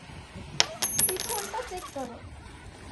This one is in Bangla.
পিছনটা চেক করো।